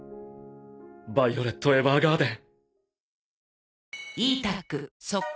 ヴァイオレット・エヴァーガーデン。